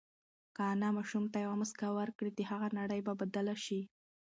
که انا ماشوم ته یوه مسکا ورکړي، د هغه نړۍ به بدله شي.